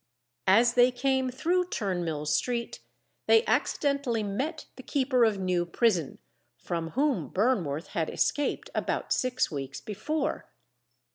As they came through Turnmill Street, they accidentally met the keeper of New Prison, from whom Burnworth had escaped about six weeks before.